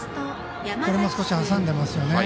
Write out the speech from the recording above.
これも少し挟んでますよね。